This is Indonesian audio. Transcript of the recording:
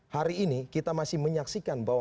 hari ini kita masih menyaksikan bahwa